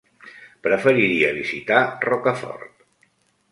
Preferiria visitar Rocafort.